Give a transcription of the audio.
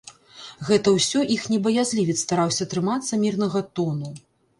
Гэта ўсё іхні баязлівец стараўся трымацца мірнага тону.